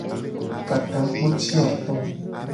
Ka takpo ci ato.